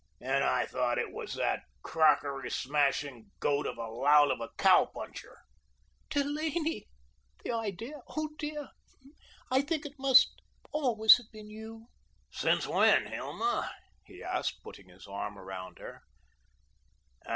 "And I thought it was that crockery smashing goat of a lout of a cow puncher." "Delaney? The idea! Oh, dear! I think it must always have been you." "Since when, Hilma?" he asked, putting his arm around her.